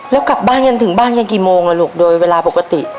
แล้วกลับบ้านกันถึงบ้านกันกี่โมงล่ะลูกโดยเวลาปกติ